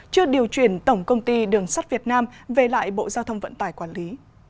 chưa điều chuyển tổng công ty đường sắt việt nam về lại bộ giao thông vận tải quản lý